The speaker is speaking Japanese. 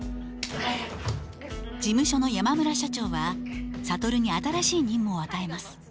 事務所の山村社長は諭に新しい任務を与えます。